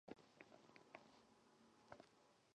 宁康元年。